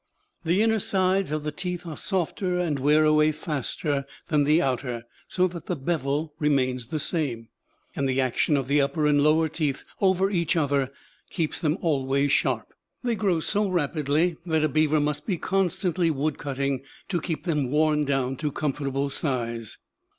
The inner sides of the teeth are softer and wear away faster than the outer, so that the bevel remains the same; and the action of the upper and lower teeth over each other keeps them always sharp. They grow so rapidly that a beaver must be constantly wood cutting to keep them worn down to comfortable size.